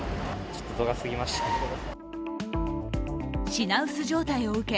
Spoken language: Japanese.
品薄状態を受け